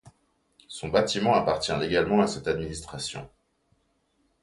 Son bâtiment appartient légalement à cette administration.